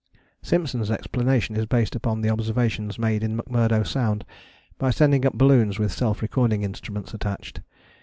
Simpson's explanation is based upon the observations made in McMurdo Sound by sending up balloons with self recording instruments attached.